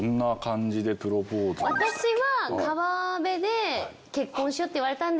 私は。